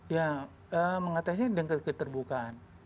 ya mengatasinya dengan keterbukaan